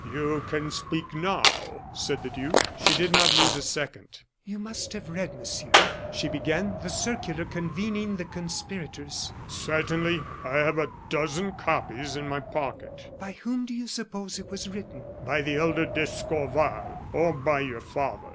"You can speak now," said the duke. She did not lose a second. "You must have read, Monsieur," she began, "the circular convening the conspirators." "Certainly; I have a dozen copies in my pocket." "By whom do you suppose it was written?" "By the elder d'Escorval, or by your father."